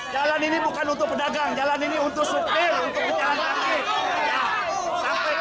jalan ini bukan untuk pedagang jalan ini untuk supir